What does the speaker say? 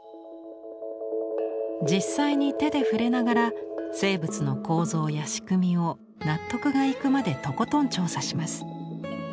実際に手で触れながら生物の構造や仕組みを納得がいくまでとことん調査します。